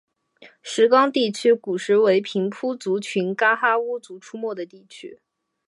石冈地区古时为平埔族群噶哈巫族出没的地区。